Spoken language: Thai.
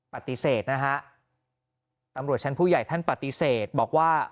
ปฏิเสธนะฮะตำรวจชั้นผู้ใหญ่ท่านปฏิเสธบอกว่า